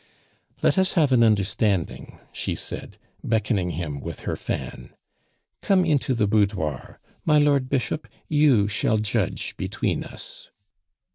"Let us have an understanding," she said, beckoning him with her fan. "Come into the boudoir. My Lord Bishop, you shall judge between us."